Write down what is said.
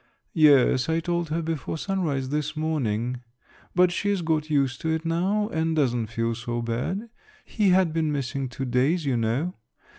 "Yes, I told her before sunrise this morning; but she's got used to it now and doesn't feel so bad. He had been missing two days, you know.